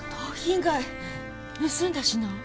盗んだ品を？